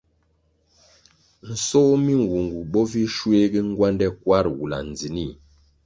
Nsoh mi nwungu bo vi shuegi ngwande kwarʼ wula ndzinih.